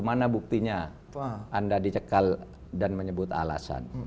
mana buktinya anda dicekal dan menyebut alasan